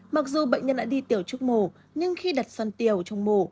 mặc dù bệnh nhân đã đi tiểu trước mổ nhưng khi đặt son tiểu trong mổ